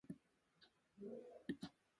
Taà mə kaa mə̀ sɨ̌ ndúgú lô ǹsɨgə.